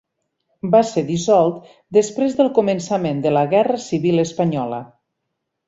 Va ser dissolt després del començament de la Guerra civil espanyola.